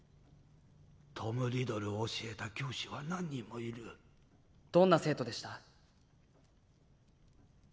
トム・リドルを教えた教師は何人もいるどんな生徒でした？